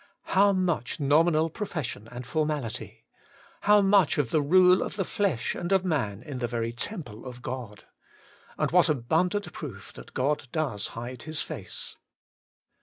How much nominal profession and formality ! how much of the rule of the flesh and of man in the very temple of God ! And what abundant proof that God does hide His face